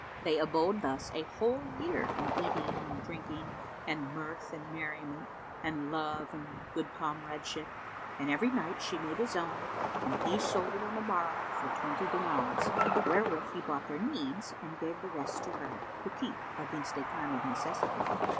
They abode thus a whole year in eating and drinking and mirth and merriment and love and good comradeship, and every night she made a zone and he sold it on the morrow for twenty dinars, wherewith he bought their needs and gave the rest to her, to keep against a time of necessity.